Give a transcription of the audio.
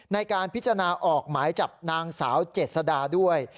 ในการพิจารณาออกหมายจับนางสาวเจษดาด้วย